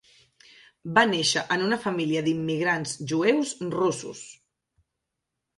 Va néixer en una família d'immigrants jueus russos.